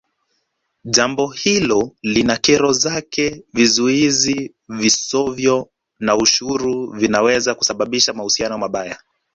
Jambo hilo lina kero zake vizuizi visovyo na ushuru vinaweza kusababisha mahusiano mabaya